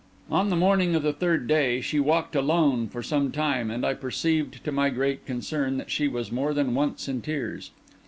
On the morning of the third day, she walked alone for some time, and I perceived, to my great concern, that she was more than once in tears.